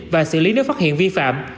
và xử lý nếu phát hiện vi phạm